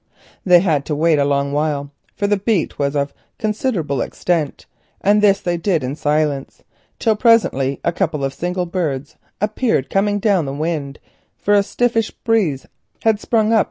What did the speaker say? They had to wait a long while, for the beat was of considerable extent, and this they did in silence, till presently a couple of single birds appeared coming down the wind like lightning, for a stiffish breeze had sprung up.